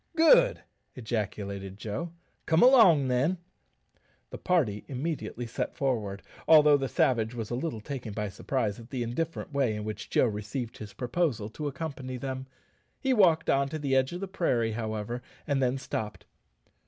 "Good!" ejaculated Joe. "Come along, then." The party immediately set forward, although the savage was a little taken by surprise at the indifferent way in which Joe received his proposal to accompany them. He walked on to the edge of the prairie, however, and then stopped.